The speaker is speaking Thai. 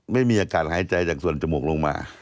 ไม่มีอากาศหายใจจากส่วนจมูกลงมา